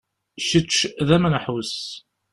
Kečč, d amenḥus.